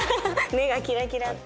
目がキラキラ。